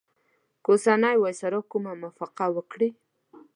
که اوسنی وایسرا کومه موافقه وکړي.